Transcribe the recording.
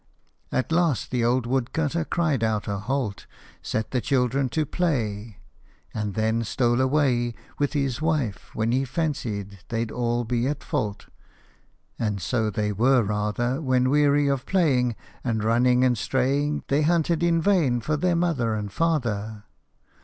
At last the old woodcutter cried out a halt, Set the children to play, And then stole away With his wife when he fancied they'd all be at fault. 79 HOP O MY THUMB. And so they were rather When, weary of playing And running and straying, They hunted in vain for their mother and father.